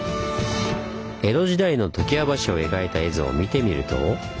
江戸時代の常盤橋を描いた絵図を見てみると。